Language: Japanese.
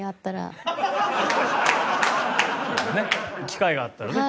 機会があったらね